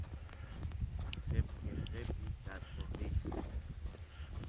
septiembrepi tarpoq riyku